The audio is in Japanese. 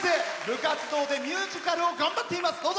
部活動でミュージカルを頑張っています。